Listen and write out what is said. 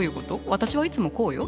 私はいつもこうよ。